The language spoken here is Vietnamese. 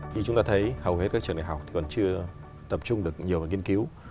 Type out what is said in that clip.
như chúng ta thấy hầu hết các trường đại học vẫn chưa tập trung được nhiều vào nghiên cứu